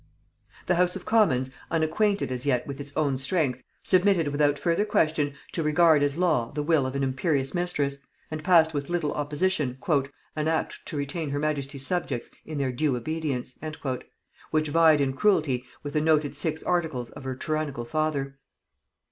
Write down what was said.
The house of commons, unacquainted as yet with its own strength, submitted without further question to regard as law the will of an imperious mistress, and passed with little opposition "An act to retain her majesty's subjects in their due obedience," which vied in cruelty with the noted Six Articles of her tyrannical father.